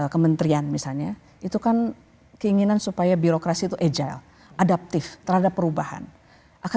kementerian misalnya itu kan keinginan supaya birokrasi itu agile adaptif terhadap perubahan akan